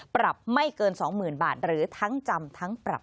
ปรับไม่เกิน๒๐๐๐บาทหรือทั้งจำทั้งปรับ